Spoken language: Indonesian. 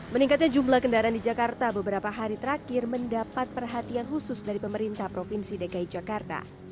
meningkatnya jumlah kendaraan di jakarta beberapa hari terakhir mendapat perhatian khusus dari pemerintah provinsi dki jakarta